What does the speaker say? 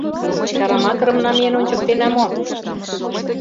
— Чараматырым намиен ончыктена мо?»